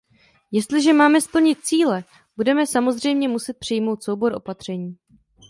Jestliže máme splnit síle, budeme samozřejmě muset přijmout soubor opatření.